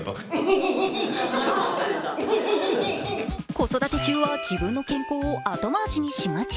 子育て中は自分の健康を後回しにしがち。